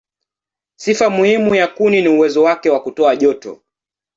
Sifa muhimu ya kuni ni uwezo wake wa kutoa joto.